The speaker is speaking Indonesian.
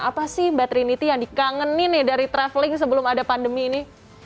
apa sih mbak trinity yang dikangenin nih dari traveling sebelum ada pandemi ini